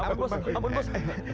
ampun bos ampun bos